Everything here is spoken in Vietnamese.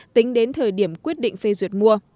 tính đến thời điểm quyết định phê duyệt mua